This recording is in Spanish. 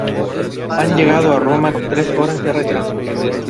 Han llegado a Roma con tres horas de retraso.